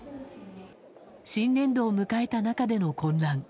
新年度を迎えた中での混乱。